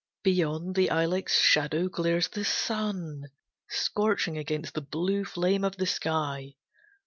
Beyond the ilex shadow glares the sun, Scorching against the blue flame of the sky.